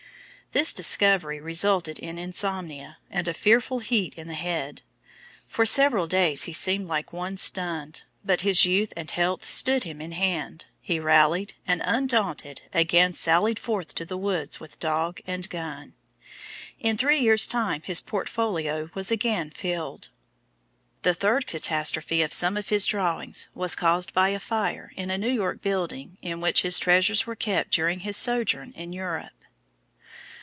This discovery resulted in insomnia, and a fearful heat in the head; for several days he seemed like one stunned, but his youth and health stood him in hand, he rallied, and, undaunted, again sallied forth to the woods with dog and gun. In three years' time his portfolio was again filled. The third catastrophe to some of his drawings was caused by a fire in a New York building in which his treasures were kept during his sojourn in Europe.